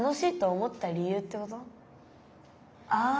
ああ！